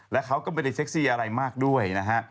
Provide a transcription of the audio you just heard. และเขาก็ไม่ได้เซ็กซี่อะไรมากด้วยนะฮะ